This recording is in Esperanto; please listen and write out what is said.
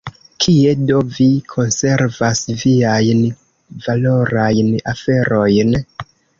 Kie do vi konservas viajn valorajn aferojn?